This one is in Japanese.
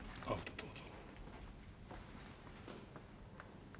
どうぞ。